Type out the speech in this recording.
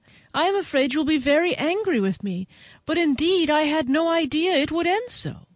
I am afraid you will be very angry with me, but indeed I had no idea it would end so."